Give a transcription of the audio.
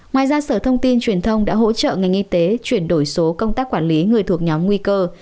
ngoài ra sở thông tin truyền thông đã hỗ trợ ngành y tế chuyển đổi số công tác quản lý người thuộc nhóm nguy cơ